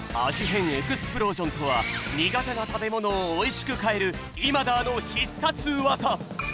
変エクスプロージョンとは苦手な食べものをおいしく変えるイマダーの必殺技。